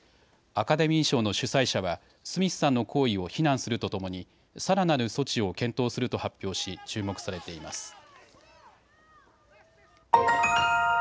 アカデミー賞の主催者はスミスさんの行為を非難するとともにさらなる措置を検討すると発表し注目されています。